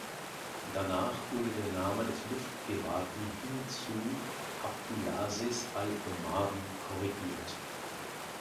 Danach wurde der Name des Luftpiraten hin zu Abdulaziz al-Omari korrigiert.